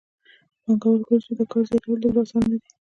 پانګوال ګوري چې د کار زیاتول دومره اسانه نه دي